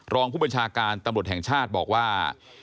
รองผู้บัญชาการตำรวจแห่งชาติบอกว่า